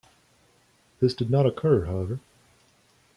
This did not occur, however.